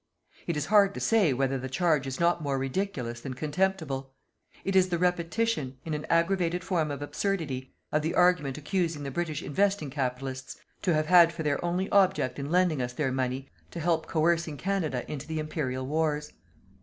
It is hard to say whether the charge is not more ridiculous than contemptible. It is the repetition, in an aggravated form of absurdity, of the argument accusing the British investing capitalists to have had for their only object in lending us their money to help coercing Canada into the Imperial wars.